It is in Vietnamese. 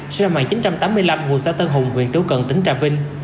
sinh năm một nghìn chín trăm tám mươi năm ngụ xã tân hùng huyện tiếu cận tỉnh trà vinh